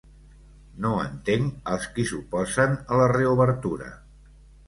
No entenc els qui s’oposen a la reobertura.